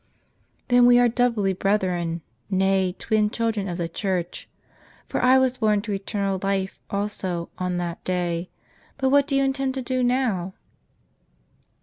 " Then we are doubly brethren, nay twin children of the Church ; for I was born to eternal life, also, on that day. But what do you intend to do now